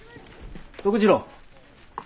徳次郎。